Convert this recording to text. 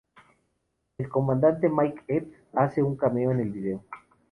El comediante Mike Epps hace un cameo en el vídeo.